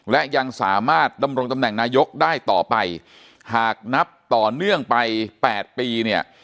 และยังสามารถดำรงตำแหน่งนายกได้ต่อไปหากนับต่อเนื่องไปแปดปีเนี่ย